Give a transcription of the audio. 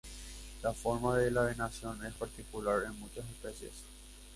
La forma de la venación es particular en muchas especies.